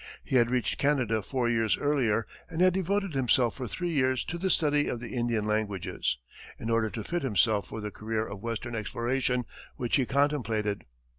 He had reached Canada four years earlier and had devoted himself for three years to the study of the Indian languages, in order to fit himself for the career of western exploration which he contemplated.